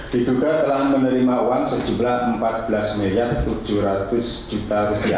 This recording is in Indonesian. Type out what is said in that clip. diduga telah menerima uang sejumlah rp empat belas tujuh ratus